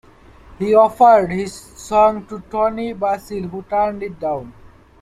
He offered his song to Toni Basil, who turned it down.